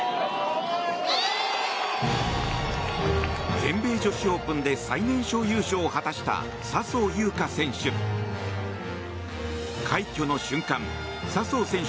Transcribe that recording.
全米女子オープンで最年少優勝を果たした笹生優花選手。